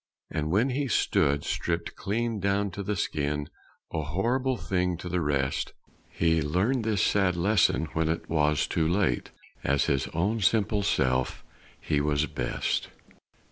And when he stood stripped clean down to the skin, A horrible thing to the rest, He learned this sad lesson when it was too late As his own simple self he was best.